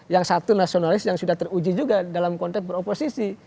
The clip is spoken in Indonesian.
yang satu nasionalis yang sudah teruji juga dalam konteks beroposisi